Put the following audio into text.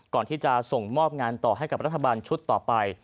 ก่อนที่จะส่งมอบงานต่อให้กับรัฐบาลชุดต่อไป